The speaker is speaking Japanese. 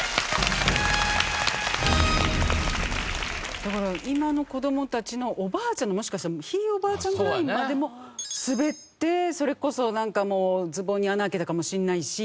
だから今の子どもたちのおばあちゃんのもしかしたらひいおばあちゃんぐらいまでも滑ってそれこそなんかもうズボンに穴開けたかもしれないし。